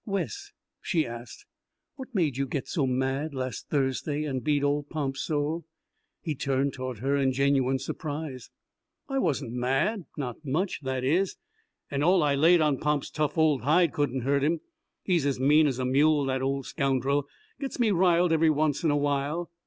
"Wes," she asked, "what made you get so mad last Thursday and beat old Pomp so?" He turned toward her in genuine surprise. "I wasn't mad; not much, that is. And all I laid on Pomp's tough old hide couldn't hurt him. He's as mean as a mule, that old scoundrel. Gets me riled every once in a while."